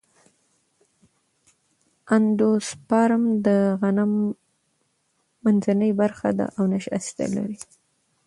اندوسپرم د غنم منځنۍ برخه ده او نشایسته لري.